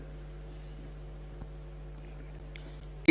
ini sesuatu yang harus kita koreksi